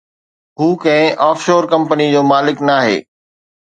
هو ڪنهن offshore company جو مالڪ ناهي.